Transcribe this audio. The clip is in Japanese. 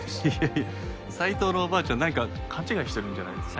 いや斉藤のおばあちゃんなんか勘違いしてるんじゃないですか？